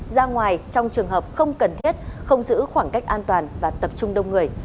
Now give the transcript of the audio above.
ra ngoài trong trường hợp không cần thiết không giữ khoảng cách an toàn và tập trung đông người